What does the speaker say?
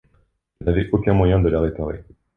Je n’avais aucun moyen de la réparer.